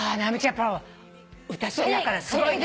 やっぱり歌好きだからすごいね。